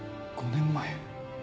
５年前？